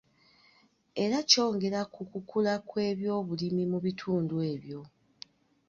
Era kyongera ku kukula kw'ebyobulimi mu bitundu ebyo.